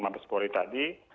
mbak polri tadi